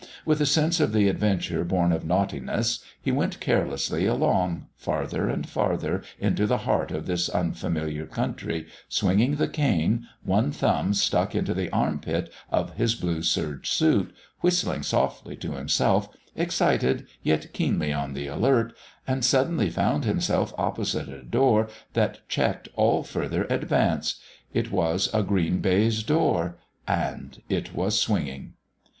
With a sense of adventure born of naughtiness he went carelessly along, farther and farther into the heart of this unfamiliar country, swinging the cane, one thumb stuck into the arm pit of his blue serge suit, whistling softly to himself, excited yet keenly on the alert and suddenly found himself opposite a door that checked all further advance. It was a green baize door. And it was swinging.